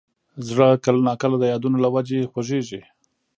زړه کله نا کله د یادونو له وجې خوږېږي.